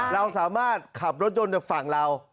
เราสามารถขับรถยนต์จากฝั่งเรา